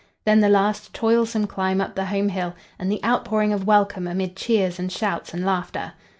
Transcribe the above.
Then the last, toilsome climb up the home hill and the outpouring of welcome amid cheers and shouts and laughter.